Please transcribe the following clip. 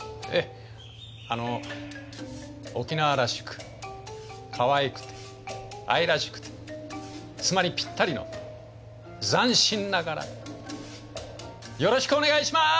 あの沖縄らしくかわいくて愛らしくて妻にぴったりの斬新な柄よろしくお願いします。